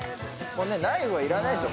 ナイフはいらないです